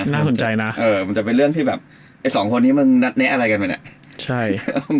น่าสนใจจะเป็นเรื่องที่มันนัดแนะอะไรกันไหม